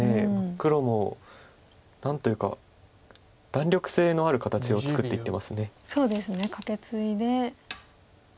黒も何というか弾力性のある形を作っていってます。